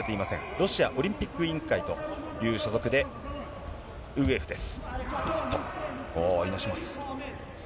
ロシアオリンピック委員会という所属で、ウグエフです。